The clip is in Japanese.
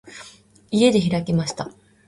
家で開きました。